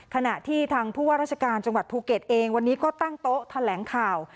ขณะที่ทางผู้ว่าราชการจังหวัดภูเก็ตเองวันนี้ก็ตั้งโต๊ะแถลงข่าว